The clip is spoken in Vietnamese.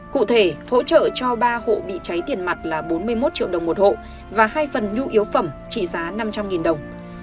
cụ thể hỗ trợ cho ba hộ bị cháy tiền mặt là bốn mươi một triệu đồng một hộ và hai phần nhu yếu phẩm trị giá năm trăm linh đồng